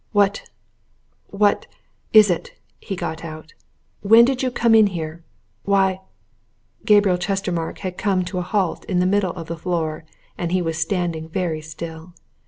"What what is it?" he got out. "When did you come in here? Why " Gabriel Chestermarke had come to a halt in the middle of the floor, and he was standing very still.